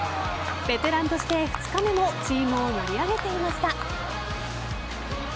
ベテランとして２日目もチームを盛り上げていました。